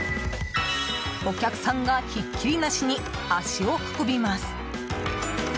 お客さんがひっきりなしに足を運びます。